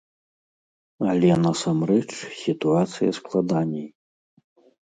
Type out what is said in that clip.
Але насамрэч сітуацыя складаней.